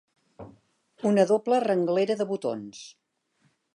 Una doble renglera de botons.